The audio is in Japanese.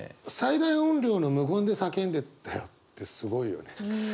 「最大音量の無言で叫んでたよ」ってすごいよね。